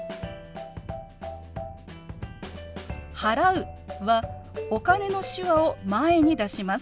「払う」は「お金」の手話を前に出します。